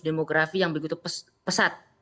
demografi yang begitu pesat